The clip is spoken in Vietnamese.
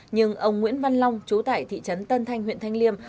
nhưng ông nguyễn văn long chú tại thị trấn tân thanh huyện thanh liêm